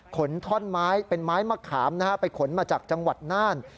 ขนท่อนไม้เป็นไม้มะขามนะฮะไปขนมาจากจังหวัดน่าน